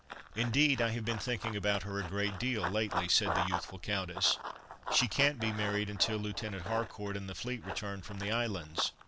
"Indeed, I have been thinking about her a great deal, lately," said the youthful countess. "She can't be married until Lieutenant Harcourt and the fleet return from the Islands.